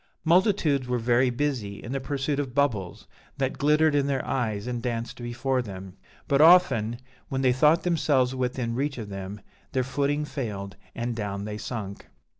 Multitudes were very busy in the pursuit of bubbles that glittered in their eyes and danced before them; but often, when they thought themselves within reach of them, their footing failed and down they sunk.